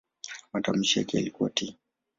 Matamshi yake ilikuwa "t".